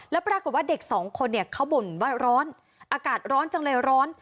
แล้วปรากฏว่าเด็กสองคนเนี่ยเขาบ่นว่าร้อนอากาศร้อนจังเลยร้อน